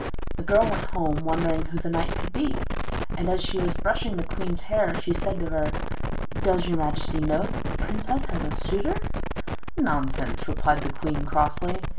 The girl went home wondering who the knight could be; and as she was brushing the queen's hair, she said to her: 'Does your majesty know that the princess has a suitor?' [Illustration: THE POISONED NAIL] 'Nonsense!' replied the queen crossly.